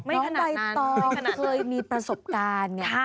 น้องใบตองเคยมีประสบการณ์ไง